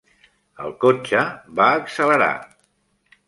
El cotxe va accelerar.